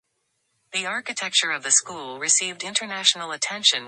The architecture of the school received international attention when it opened.